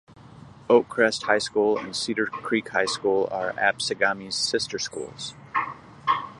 Oakcrest High School and Cedar Creek High School are Absegami's sister schools.